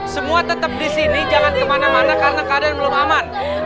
semua tetap di sini jangan kemana mana karena keadaan belum aman